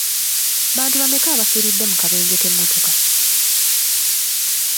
Bantu bameka abaafiiridde mu kabenje k'emmotoka?